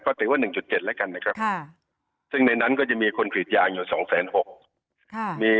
ก็ถือว่า๑๗แล้วกันนะครับซึ่งในนั้นก็จะมีคนกรีดยางอยู่๒๖๐๐